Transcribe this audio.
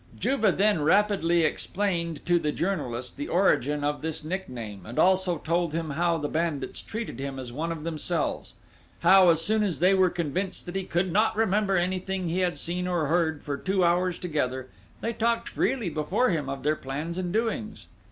Juve, then rapidly explained to the journalist the origin of this nickname, and also told him how the bandits treated him as one of themselves; how, as soon as they were convinced that he could not remember anything he had seen or heard for two hours together, they talked freely before him of their plans and doings!